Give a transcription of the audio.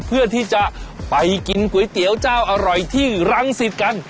เพื่อที่จะไปกินก๋วยเตี๋ยวเจ้าอร่อยที่รังสิตกัน